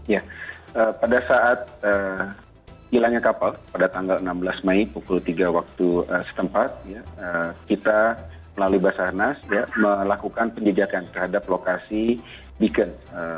ya pada saat hilangnya kapal pada tanggal enam belas mei pukul tiga waktu setempat kita melalui basarnas melakukan penjajakan terhadap lokasi beacon